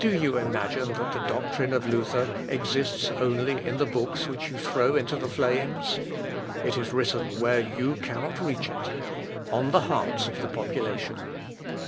Do you imagine that the doctrine of Luther exists only in the books which you throw into the flames? It is written where you cannot reach it on the hearts of the population.